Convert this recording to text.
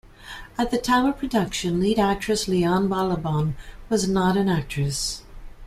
At the time of production lead actress Liane Balaban was not an actress.